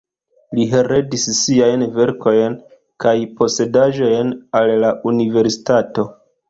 Li heredis siajn verkojn kaj posedaĵojn al la universitato.